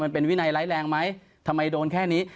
มันเป็นวินัยไร้แรงไหมทำไมโดนแค่นี้